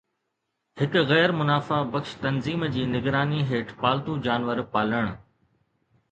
هڪ غير منافع بخش تنظيم جي نگراني هيٺ پالتو جانور پالڻ